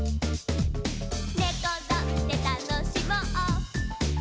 「ねころんでたのしもう」